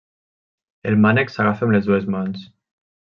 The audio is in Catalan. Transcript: El mànec s'agafa amb les dues mans.